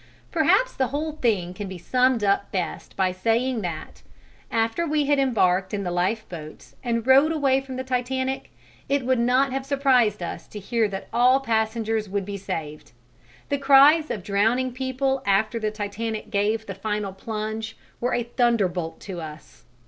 Perhaps the whole thing can be summed up best by saying that, after we had embarked in the lifeboats and rowed away from the Titanic, it would not have surprised us to hear that all passengers would be saved: the cries of drowning people after the Titanic gave the final plunge were a thunderbolt to us.